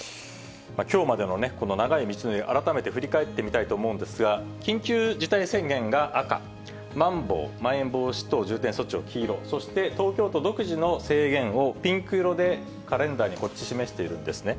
きょうまでの長い道のりを改めて振り返ってみたいと思うんですが、緊急事態宣言が赤、まん防・まん延防止等重点措置を黄色、そして東京都独自の制限をピンク色で、カレンダーに示しているんですね。